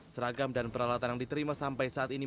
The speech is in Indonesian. seragam dan peralatan yang diterima sampai saatnya